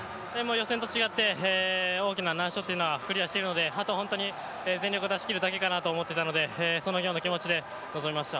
予選と違って、大きな難所というのはクリアしているのであとは本当に全力を出し切るだけだなと思っていたので、そのような気持ちで臨みました。